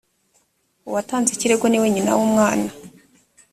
uwatanze ikirego ni we nyina w’umwana